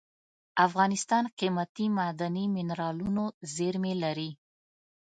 افغانستان قیمتي معدني منرالونو زیرمې لري.